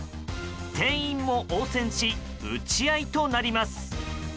店員も応戦し撃ち合いとなります。